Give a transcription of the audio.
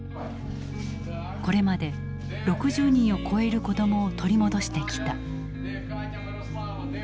これまで６０人を超える子どもを取り戻してきた。